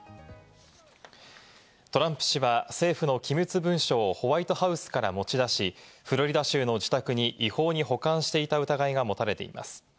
トランプ氏は政府の機密文書をホワイトハウスから持ち出し、フロリダ州の自宅に違法に保管していた疑いが持たれています。